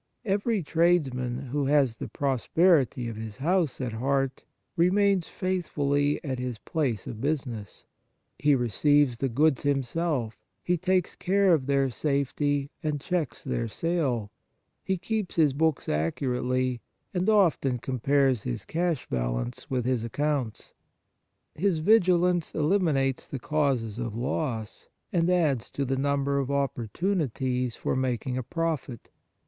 Every tradesman who has the prosperity of his house at heart remains faithfully at his place of business ; he receives the goods him 125 On the Exercises of Piety self, he takes care of their safety and checks their sale ; he keeps his books accurately, and often compares his cash balance with his accounts. His vigilance eliminates the causes of loss, and adds to the number of opportunities for making a profit.